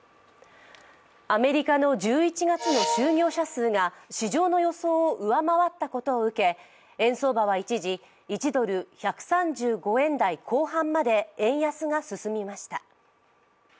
アメリカの１１月の就業者数が市場の予想を上回ったことを受け円相場は一時１ドル＝１３５円台後半まで円安が進みました。